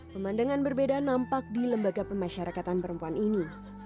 pemandangan berbeda nampak di lembaga pemasyarakatan perempuan ini